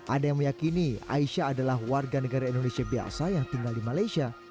ada yang meyakini aisyah adalah warga negara indonesia biasa yang tinggal di malaysia